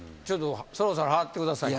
そろそろ払ってくださいとか。